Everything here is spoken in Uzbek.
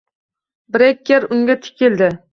Brekket unga tikildi